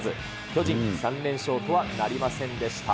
巨人、３連勝とはなりませんでした。